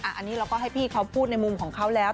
อันนี้เราก็ให้พี่เขาพูดในมุมของเขาแล้ว